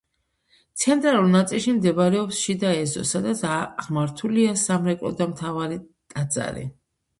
ცენტრალურ ნაწილში მდებარეობს შიდა ეზო, სადაც აღმართულია სამრეკლო და მთავარი ტაძარი.